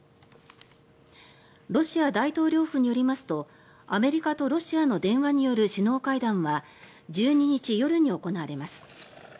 ロシア大統領府によりますとアメリカとロシアの電話による首脳会談は１２日夜に行われます。